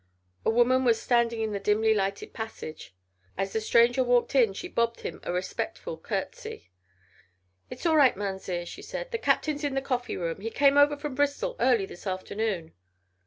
A woman was standing in the dimly lighted passage. As the stranger walked in she bobbed him a respectful curtsey. "It is all right, Mounzeer," she said; "the Captain's in the coffee room. He came over from Bristol early this afternoon."